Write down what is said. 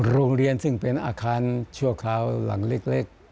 โรงเรียนซึ่งเป็นอาคารชั่วคราวหลังเล็ก